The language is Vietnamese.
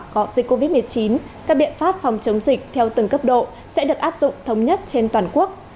có dịch covid một mươi chín các biện pháp phòng chống dịch theo từng cấp độ sẽ được áp dụng thống nhất trên toàn quốc